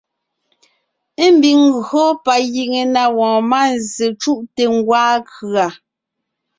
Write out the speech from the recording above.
Ḿbiŋ ńgÿo pa giŋe na wɔɔn mánzsè cú’te ńgwaa kʉ̀a.